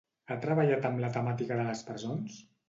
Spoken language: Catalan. Ha treballat amb la temàtica de les presons?